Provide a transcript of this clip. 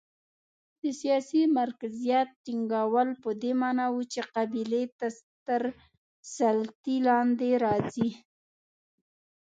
د سیاسي مرکزیت ټینګول په دې معنا و چې قبیلې تر سلطې لاندې راځي.